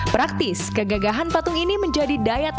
praktis kegagahan patung ini tidak hanya di dunia tapi di seluruh dunia